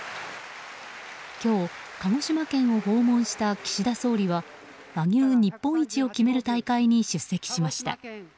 今日、鹿児島県を訪問した岸田総理は和牛日本一を決める大会に出席しました。